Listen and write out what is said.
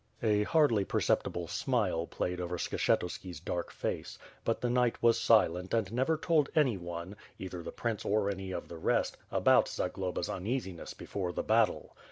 A hardly perceptible smile played over Skshetuski's dark face, but the knight was silent and never told any one, either the Prince or any of the rest, about Zagloba's uneasiness before the battle.